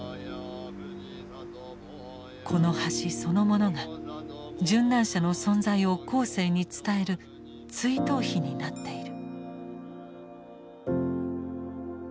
この橋そのものが殉難者の存在を後世に伝える追悼碑になっている。